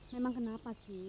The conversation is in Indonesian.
memang kenapa sih